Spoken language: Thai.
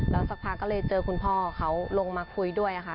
แล้วสักพักก็เลยเจอคุณพ่อเขาลงมาคุยด้วยค่ะ